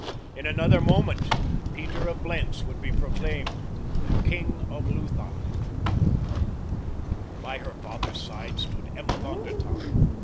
In another moment Peter of Blentz would be proclaimed the king of Lutha. By her father's side stood Emma von der Tann.